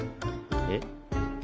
えっ？